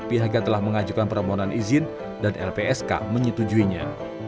pihaknya telah mengajukan permohonan izin dan lpsk menyetujuinya